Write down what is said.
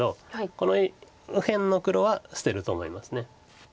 この右辺の黒は捨てると思います。